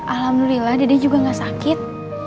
alhamdulillah dede juga gak sakit